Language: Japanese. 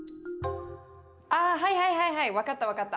ああはいはいはいはい分かった分かった！